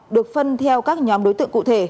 được phân theo các nhóm đối tượng cụ thể